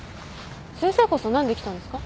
先生こそ何で来たんですか？